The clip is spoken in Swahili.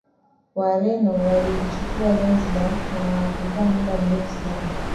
Wareno waliichukua Zanzibar na hawakukaa muda mrefu sana